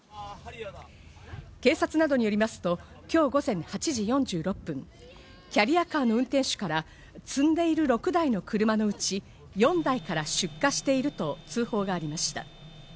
警察などによりますと、今日午前８時４６分、キャリアカーの運転手から、積んでいる６台の車のうち、４台から出火していると通報がありました。